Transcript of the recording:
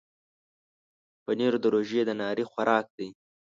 پنېر د روژې د ناري خوراک دی.